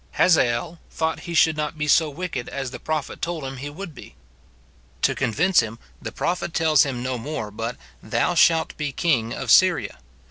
Hazael thought he should not be so wicked as the prophet told him he would be. To convince him, the prophet tells him no more but, *' Thou shalt be king of Syria."